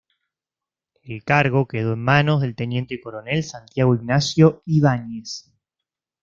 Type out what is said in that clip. El cargo quedó en manos del teniente coronel Santiago Ignacio Ibáñez.